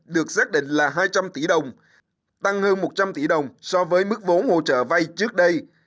được xác định là hai trăm linh tỷ đồng tăng hơn một trăm linh tỷ đồng so với mức vốn hỗ trợ vay trước đây